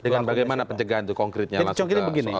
dengan bagaimana pencegahan itu konkretnya langsung